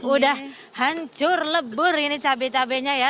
udah hancur lebur ini cabai cabainya ya